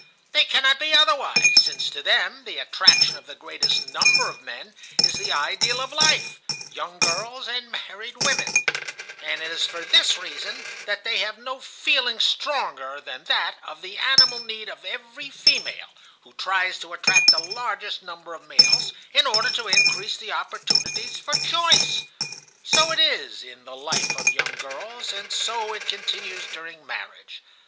They cannot be otherwise, since to them the attraction of the greatest number of men is the ideal of life (young girls and married women), and it is for this reason that they have no feeling stronger than that of the animal need of every female who tries to attract the largest number of males in order to increase the opportunities for choice. So it is in the life of young girls, and so it continues during marriage.